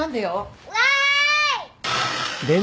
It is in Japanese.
わい！